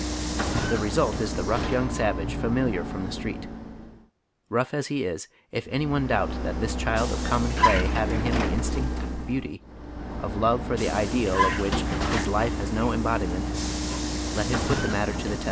Tlie result is the rough young savage, fa miliar from tlie street. Rough as he is, if any one doubt that tiiia child of common clay have in him the instinct of beanty, of love for the ideal of which his life has no embodiment, let him put the matter to the test.